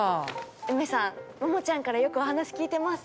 ウメさんモモちゃんからよくお話聞いてます。